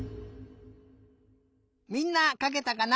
みんなかけたかな？